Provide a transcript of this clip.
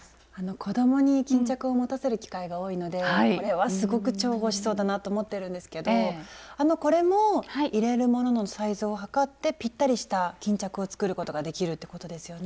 子どもに巾着を持たせる機会が多いのでこれはすごく重宝しそうだなと思ってるんですけどこれも入れるもののサイズを測ってぴったりした巾着を作ることができるってことですよね。